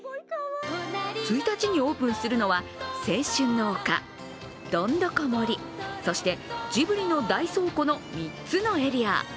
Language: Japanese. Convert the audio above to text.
１日にオープンするのは青春の丘、どんどこ森、そしてジブリの大倉庫の３つのエリア。